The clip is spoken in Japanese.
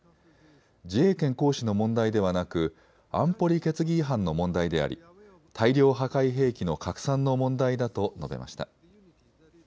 自衛権行使の問題ではなく安保理決議違反の問題であり大量破壊兵器の拡散の問題だと述べました。